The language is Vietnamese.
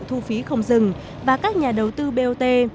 thu phí không dừng và các nhà đầu tư bot